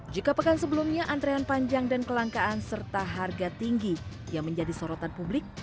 jika pekan sebelumnya antrean panjang dan kelangkaan serta harga tinggi yang menjadi sorotan publik